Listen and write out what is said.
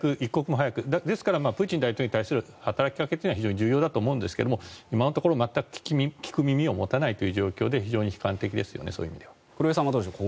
ですからプーチン大統領に対する働きかけというのは重要だと思うんですが今のところ全く聞く耳を持たないという状況で黒井さんはどうでしょう。